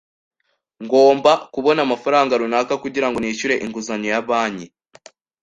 Ngomba kubona amafaranga runaka kugirango nishyure inguzanyo ya banki.